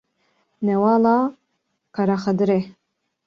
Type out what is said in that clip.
Newala Qerexidirê